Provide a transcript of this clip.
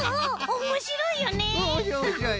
おもしろいよね！